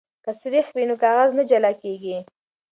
که سريښ وي نو کاغذ نه جلا کیږي.